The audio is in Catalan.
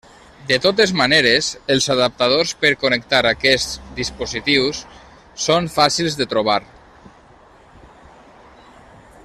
De totes maneres, els adaptadors per connectar aquests dispositius són fàcils de trobar.